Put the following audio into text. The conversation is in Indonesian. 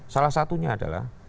salah satunya adalah